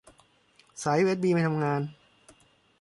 สายยูเอสบีไม่ทำงาน